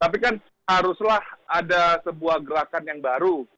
tapi kan haruslah ada sebuah gerakan yang baru